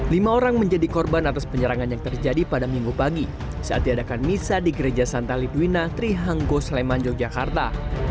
lima orang menjadi korban atas penyerangan yang terjadi pada minggu pagi saat diadakan misa di gereja santa lidwina trihanggo sleman yogyakarta